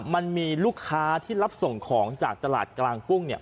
มันมีลูกค้าที่รับส่งของจากตลาดกลางกุ้งเนี่ย